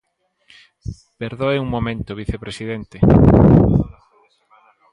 Perdoe un momento, vicepresidente.